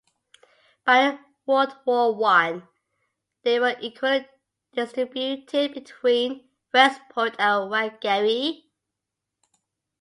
By World War One, they were equally distributed between Westport and Whangarei.